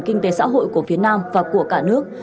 kinh tế xã hội của phía nam và của cả nước